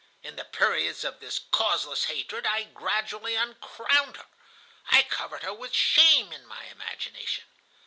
In the periods of this causeless hatred I gradually uncrowned her. I covered her with shame in my imagination.